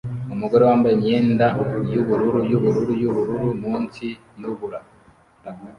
Umugore wambaye imyenda yubururu yubururu yubururu munsi yubura